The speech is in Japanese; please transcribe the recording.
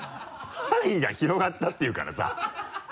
範囲が広がったっていうからさ。